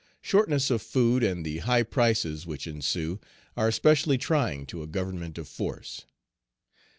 Shortness of food, and the high prices which ensue, are specially trying to a government of force.